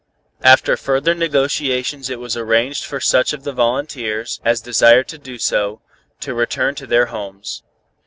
After further negotiations it was arranged for such of the volunteers as desired to do so, to return to their homes.